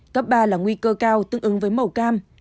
cấp ba là nguy cơ cao tương ứng với màu cam